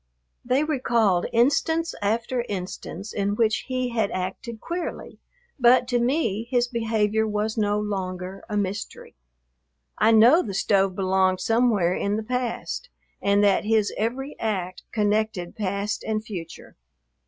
They recalled instance after instance in which he had acted queerly, but to me his behavior was no longer a mystery. I know the stove belonged somewhere in the past and that his every act connected past and future.